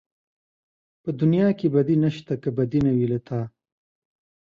په دنيا کې بدي نشته که بدي نه وي له تا